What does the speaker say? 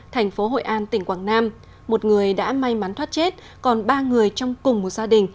thành phố hội an tỉnh quảng nam một người đã may mắn thoát chết còn ba người trong cùng một gia đình